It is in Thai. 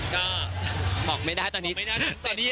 ก็บอกไม่ได้ตอนนี้